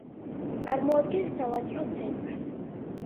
წარმოადგენს სავაჭრო ცენტრს.